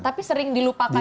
tapi sering dilupakan